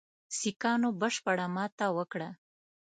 سیکهانو بشپړه ماته وکړه.